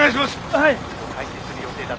はい。